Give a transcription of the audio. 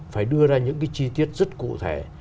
phải đưa ra những cái chi tiết rất cụ thể